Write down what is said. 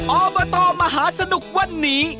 โอเบิ้ลตอร์มหาสนุกวันนี้